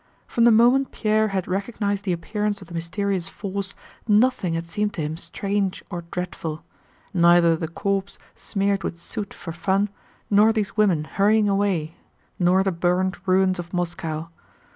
From the moment Pierre had recognized the appearance of the mysterious force nothing had seemed to him strange or dreadful: neither the corpse smeared with soot for fun nor these women hurrying away nor the burned ruins of Moscow.